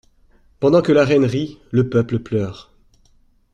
Pendant que La Reine rit, le peuple pleure.